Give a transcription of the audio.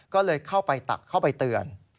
ก็เลยเข้าไปตักเข้าไปเตือน